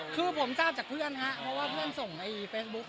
คือผมทราบจากเพื่อนครับเพราะว่าเพื่อนส่งในเฟซบุ๊ค